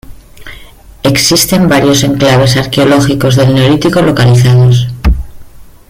Existen varios enclaves arqueológicos del Neolítico localizados.